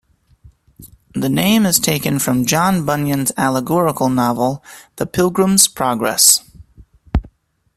The name is taken from John Bunyan's allegorical novel "The Pilgrim's Progress".